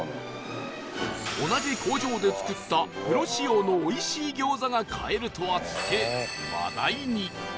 同じ工場で作ったプロ仕様のおいしい餃子が買えるとあって話題に